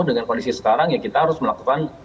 dengan kondisi sekarang ya kita harus melakukan